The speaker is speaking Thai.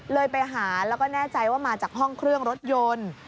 เลยไปหาแล้วก็แน่ใจว่ามาจากห้องเครื่องรถยนต์